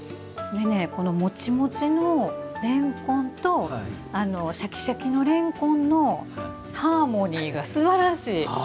このもちもちのれんこんとしゃきしゃきのれんこんのハーモニーがすばらしい。